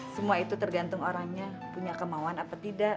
semua itu tergantung orangnya punya kemauan apa tidak